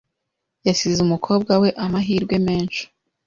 Yasize umukobwa we amahirwe menshi .